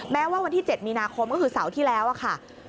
แม้ว่าวันที่๗มีนาคมก็คือเสาร์ที่แล้วค่ะ